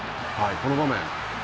この場面。